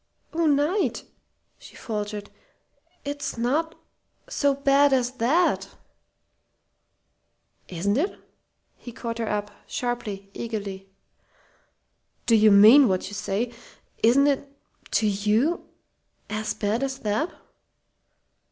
"Oh, Knight!" she faltered. "It's not so bad as that!" "Isn't it?" he caught her up sharply, eagerly. "Do you mean what you say? Isn't it, to you as bad as that?"